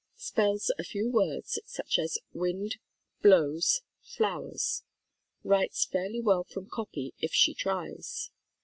Spells a few words, such as "wind," "blows," "flowers." Writes fairly well from copy if she tries.